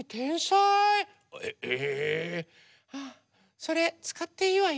それつかっていいわよ。